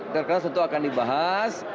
terkena tentu akan dibahas